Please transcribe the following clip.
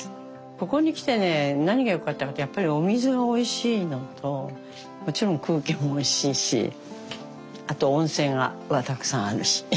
ここに来てね何が良かったかってやっぱりお水がおいしいのともちろん空気もおいしいしあと温泉がたくさんあるし。